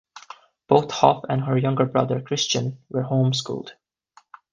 Both Hoff and her younger brother, Christian, were home schooled.